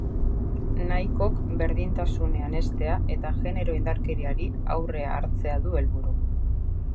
Nahikok berdintasunean heztea eta genero indarkeriari aurrea hartzea du helburu.